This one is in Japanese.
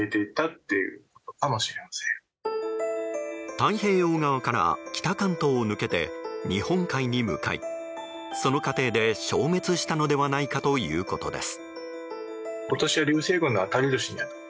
太平洋側から北関東を抜けて日本海に向かいその過程で消滅したのではないかということです。